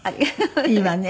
いいわね。